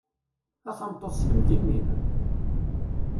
A tameṭṭut selmed i mmi-m!